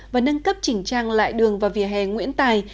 và nâng cấp chỉnh trang lại đường và vỉa hè nguyễn tài